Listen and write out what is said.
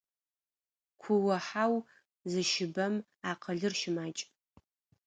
Куо-хьаур зыщыбэм акъылыр щымакӏ.